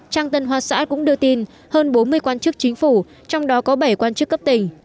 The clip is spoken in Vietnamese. trang tân hoa xã cũng đưa tin hơn bốn mươi quan chức chính phủ trong đó có bảy quan chức cấp tỉnh